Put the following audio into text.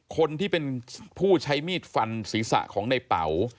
คนที่เป็นผู้ใช้มีดฟันศีรษะของในเป๋า